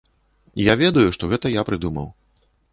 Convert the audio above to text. Я ведаю, што гэта я прыдумаў.